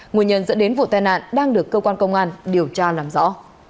nguyên nhân dẫn đến vụ tai nạn đang được cơ quan công an điều tra làm rõ